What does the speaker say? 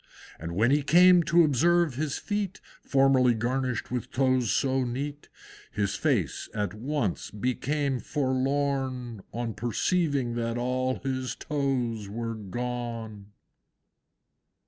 And when he came to observe his feet, Formerly garnished with toes so neat, His face at once became forlorn On perceiving that all his toes were gone!